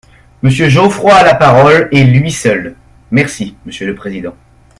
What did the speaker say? Monsieur Geoffroy a la parole, et lui seul ! Merci, monsieur le président.